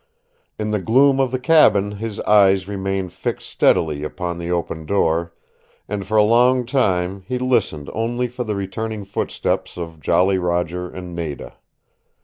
In the gloom of the cabin his eyes remained fixed steadily upon the open door, and for a long time he listened only for the returning footsteps of Jolly Roger and Nada.